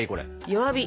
弱火。